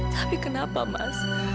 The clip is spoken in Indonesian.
tapi kenapa mas